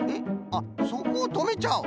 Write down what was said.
あっそこをとめちゃう？